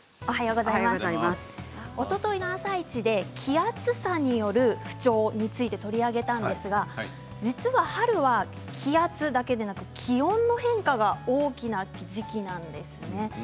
おとといの「あさイチ」で気圧差による不調について取り上げたんですが実は春は気圧だけでなく気温の変化が大きな時期なんです。